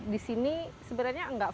di sini sebenarnya